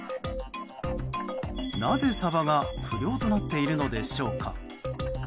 なぜサバが不漁となっているのでしょうか。